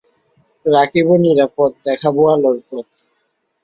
রাখিব নিরাপদ, দেখাবো আলোর পথ।